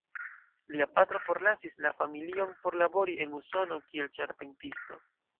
Lia patro forlasis la familion por labori en Usono kiel ĉarpentisto.